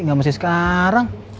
nggak masih sekarang